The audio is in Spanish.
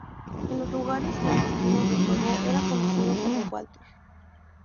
En los lugares clandestinos de juego era conocido como Walter.